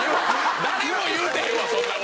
誰も言うてへんわそんな事！